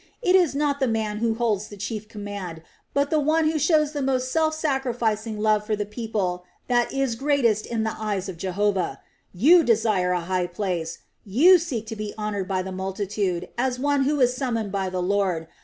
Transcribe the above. It is not the man who holds the chief command, but the one who shows the most self sacrificing love for the people that is greatest in the eyes of Jehovah. You desire a high place, you seek to be honored by the multitude as one who is summoned by the Lord.